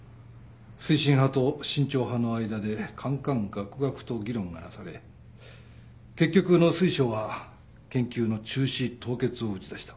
推進派と慎重派の間でかんかんがくがくと議論がなされ結局農水省は研究の中止凍結を打ち出した。